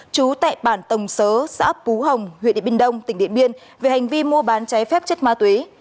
trú tại bản tổng sớ xã phú hồng huyện điện biên đông tỉnh điện biên về hành vi mua bán trái phép chất ma túy